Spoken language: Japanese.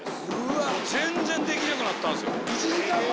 全然できなくなったんすよ。